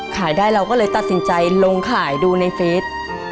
ขายได้เราก็เลยตัดสินใจลงขายดูในเฟส